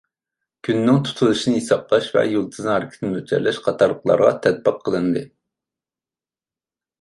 كۈننىڭ تۇتۇلۇشىنى ھېسابلاش ۋە يۇلتۇزنىڭ ھەرىكىتىنى مۆلچەرلەش قاتارلىقلارغا تەتبىق قىلىندى.